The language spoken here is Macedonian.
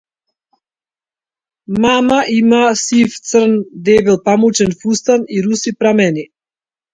Мама има сиво-црн дебел памучен фустан и руси прамени.